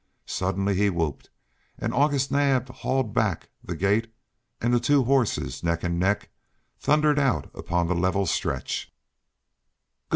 Suddenly he whooped and August Naab hauled back the gate, and the two horses, neck and neck, thundered out upon the level stretch. "Good!"